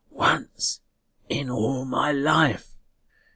"Once in all my life."